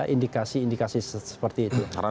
indikasi indikasi seperti itu